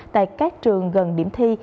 tại các trường gần điểm thi